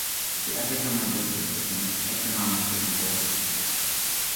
The Atacama Desert became economically important.